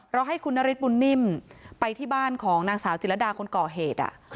ให้คุณนฤทธบุญนิ่มไปที่บ้านของนางสาวจิรดาคนก่อเหตุ